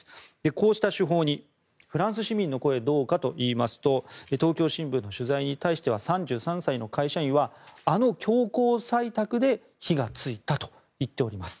こうした手法にフランス市民の声はどうかといいますと東京新聞の取材に対しては３３歳の会社員はあの強行採択で火がついたと言っております。